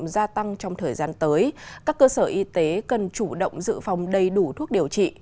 gia tăng trong thời gian tới các cơ sở y tế cần chủ động dự phòng đầy đủ thuốc điều trị